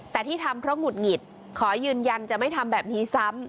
แต่ที่ทำเพราะหงุดหงิดขอยืนยันจะไม่ทำแบบนี้ซ้ำ